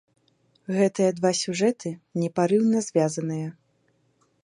Гэтыя два сюжэты непарыўна звязаныя.